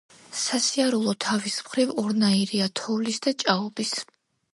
სასიარულო თავის მხრივ ორნაირია თოვლის და ჭაობის.